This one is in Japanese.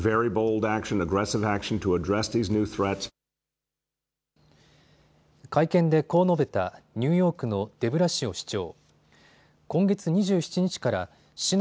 会見でこう述べたニューヨークのデブラシオ市長。